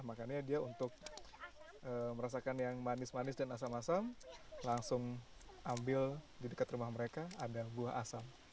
makanya dia untuk merasakan yang manis manis dan asam asam langsung ambil di dekat rumah mereka ada buah asam